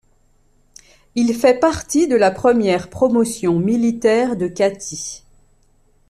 Il fait partie de la première promotion militaire de Kati.